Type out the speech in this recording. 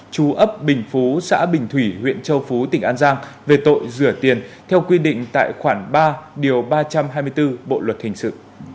chú ấp bình phú xã bình thủy huyện châu phú tỉnh an giang về tội rửa tiền theo quy định tại khoản ba điều ba trăm hai mươi bốn bộ luật hình sự